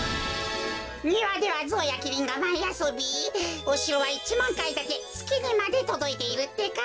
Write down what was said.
にわではゾウやキリンがまいあそびおしろは１まんかいだてつきにまでとどいているってか。